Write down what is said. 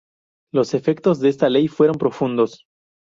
Los efectos de esta ley fueron profundos.